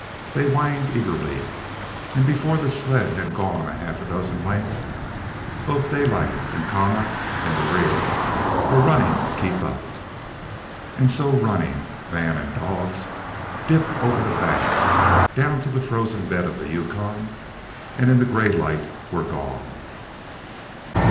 They whined eagerly, and before the sled had gone half a dozen lengths both Daylight and Kama (in the rear) were running to keep up. And so, running, man and dogs dipped over the bank and down to the frozen bed of the Yukon, and in the gray light were gone.